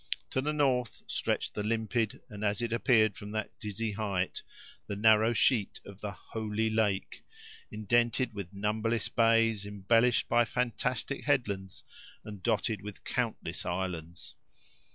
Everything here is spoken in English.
To the north stretched the limpid, and, as it appeared from that dizzy height, the narrow sheet of the "holy lake," indented with numberless bays, embellished by fantastic headlands, and dotted with countless islands.